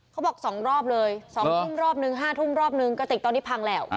เขาบอก๒รอบเลย๒ทุ่มรอบนึง๕ทุ่มรอบนึงกระติกตอนนี้พังแล้ว